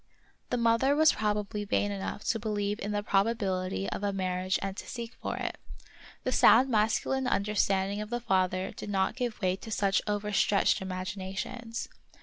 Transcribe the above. The mother was proba bly vain enough to believe in the probability of a marriage and to seek for it ; the sound masculine understanding of the father did not give way to such overstretched imaginations.